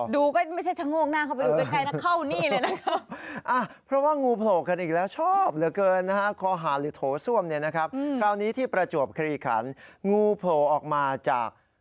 ดูก็ไม่ใช่ทะโนะ